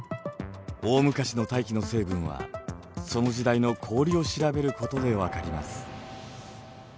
大昔の大気の成分はその時代の氷を調べることで分かります。